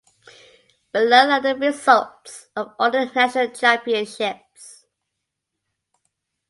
Below are the results of all the National Championships.